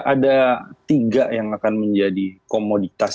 ada tiga yang akan menjadi komoditas